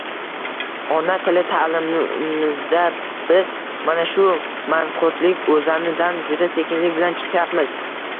Ona tili taʼlimida biz mana shu “manqurtlik oʻzani”dan juda sekinlik bilan chiqyapmiz.